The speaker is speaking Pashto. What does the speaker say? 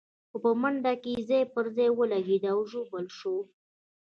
خو په منډه کې ځای پر ځای ولګېد او ووژل شو.